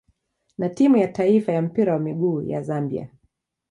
na timu ya taifa ya mpira wa miguu ya Zambia.